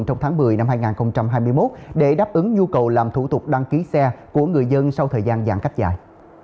trong tháng một mươi năm hai nghìn hai mươi một để đáp ứng nhu cầu làm thủ tục đăng ký xe của người dân sau thời gian giãn cách dài